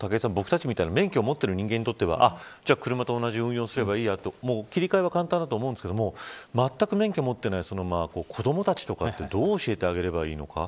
武井さん、僕たちみたいな免許を持っている人間にとっては車と同じ運用をすればいいやと切り替えは簡単だと思うんですがまったく免許持っていない子どもたちとかどう教えてあげればいいのか。